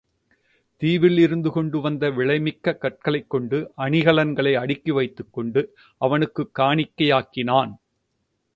தீவில் இருந்து கொண்டு வந்த விலை மிக்க கற்களைக் கொண்ட அணிகலன்களை அடுக்கி வைத்துக் கொண்டு அவனுக்குக் காணிக்கையாக்கினான்.